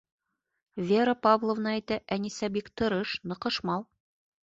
Вера Павловна әйтә, Әнисә бик тырыш, ныҡышмал.